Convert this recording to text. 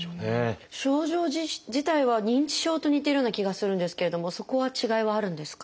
症状自体は認知症と似てるような気がするんですけれどもそこは違いはあるんですか？